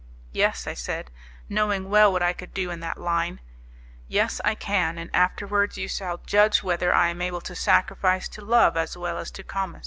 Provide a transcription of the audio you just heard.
"Yes," I said, knowing well what I could do in that line, "yes, I can; and afterwards you shall judge whether I am able to sacrifice to Love as well as to Comus."